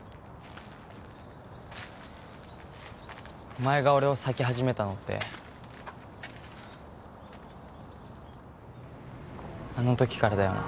お前が俺を避け始めたのってあのときからだよな